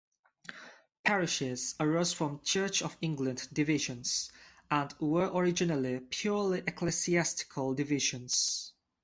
Parishes arose from Church of England divisions, and were originally purely ecclesiastical divisions.